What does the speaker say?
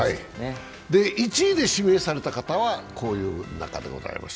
１位で指名された方はこういう方でございます。